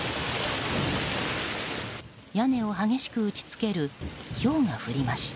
屋根を激しく打ち付けるひょうが降りました。